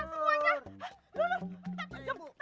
loh loh tetap menjemput